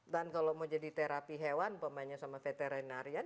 dan kalau mau jadi terapi hewan pemainnya sama veterinarian